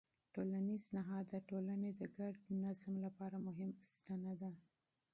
ټولنیز نهاد د ټولنې د ګډ نظم یوه مهمه ستنه ده.